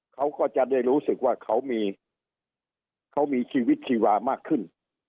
เขาก็จะได้รู้สึกว่าเขามีชีวิตชีวามากขึ้น